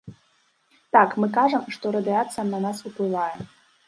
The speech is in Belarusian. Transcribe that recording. Так, мы кажам, што радыяцыя на нас уплывае.